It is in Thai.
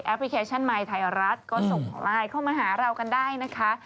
พลิเคชันไมค์ไทยรัฐก็ส่งไลน์เข้ามาหาเรากันได้นะคะ